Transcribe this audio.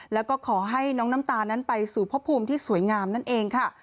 แล้วก็ขอให้น้องน้ำตาลนั้นไปสู่พระภูมิที่สวยงามนั่นเองค่ะ